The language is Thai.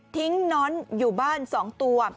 ทิ้งน้อนอยู่บ้านสองตัว